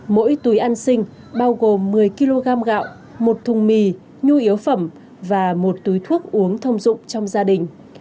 mỗi túi ăn sinh bao gồm một mươi kg gạo một thùng mì nhu yếu phẩm và một túi thuốc uống thông dụng trong gia đình